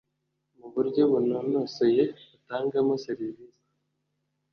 mu buryo bunonosoye Utangamo serivisi